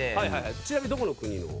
ちなみにどこの国の？